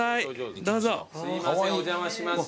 すいませんお邪魔します。